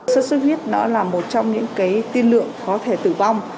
suốt suốt huyết nó là một trong những cái tiên lượng có thể tử vong